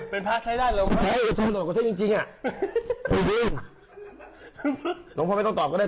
เป็นภาพใช้ได้เหรอฮะเป็นภาพใช้ได้เหรอใช้จริงจริงน้องพ่อไม่ต้องตอบก็ได้